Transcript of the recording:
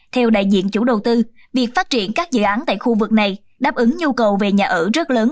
theo đại diện chủ đầu tư việc phát triển các dự án tại khu vực này đáp ứng nhu cầu về nhà ở rất lớn